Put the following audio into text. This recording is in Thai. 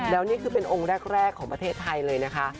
แล้วนี่คือเป็นองค์แรกของประเทศไทยเลยนะคะ